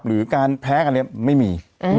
หรือการแพ้อันนี้ไม่มี